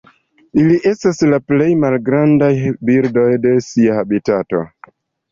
Ili estas la plej malgrandaj birdoj de sia habitato.